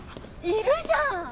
いるじゃん！